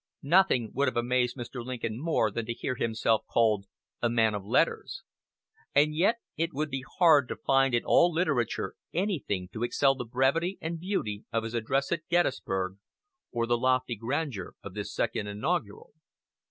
Nothing would have amazed Mr. Lincoln more than to hear himself called a man of letters; and yet it would be hard to find in all literature anything to excel the brevity and beauty of his address at Gettysburg or the lofty grandeur of this Second Inaugural.